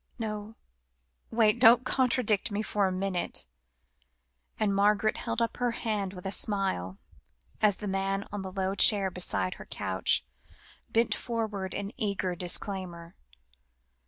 No wait don't contradict me for a minute," and Margaret held up her hand with a smile, as the man on the low chair beside her couch, bent forward in eager disclaimer.